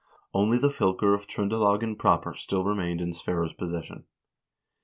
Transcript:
Only the fylker of Tr0ndelagen proper still re mained in Sverre's possession.